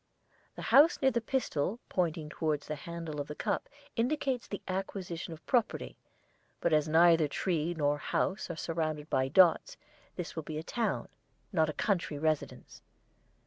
The house near the pistol pointing towards the handle of the cup indicates the acquisition of property, but as neither tree nor house are surrounded by dots this will be a town, not a country, residence.